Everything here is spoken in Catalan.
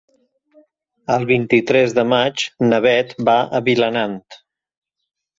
El vint-i-tres de maig na Bet va a Vilanant.